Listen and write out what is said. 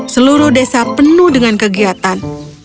seluruh desa penuh dengan kegiatan